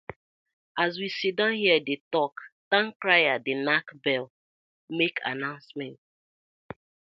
As we siddon here dey tok, towncrier dey nack bell mak annoucement.